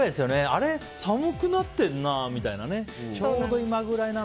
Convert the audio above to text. あれ、寒くなってるなみたいなね。